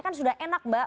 kan sudah enak mbak